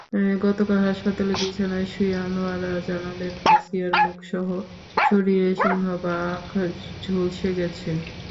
গতকাল হাসপাতালের বিছানায় শুয়ে আনোয়ারা জানালেন, আসিয়ার মুখসহ শরীরের সিংহভাগ ঝলসে গেছে।